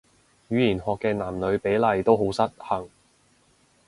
語言學嘅男女比例都好失衡